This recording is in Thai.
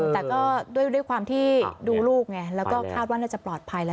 แต่ก็ด้วยความที่ดูลูกไงแล้วก็คาดว่าน่าจะปลอดภัยแล้ว